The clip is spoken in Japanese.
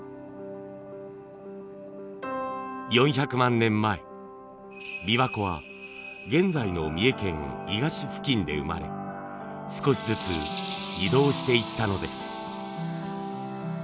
４００万年前琵琶湖は現在の三重県伊賀市付近で生まれ少しずつ移動していったのです。